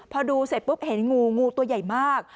พอดูเสร็จปุ๊บเห็นงูงูตัวใหญ่มาก